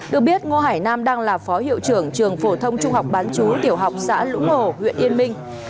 được biết ngô hải nam đang là phó hiệu trưởng trường phổ thông trung học bán chú tiểu học xã lũng hồ huyện yên minh